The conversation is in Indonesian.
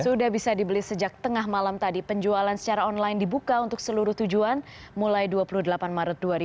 sudah bisa dibeli sejak tengah malam tadi penjualan secara online dibuka untuk seluruh tujuan mulai dua puluh delapan maret dua ribu dua puluh